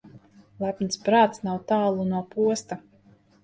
Lepns prāts nav tālu no posta.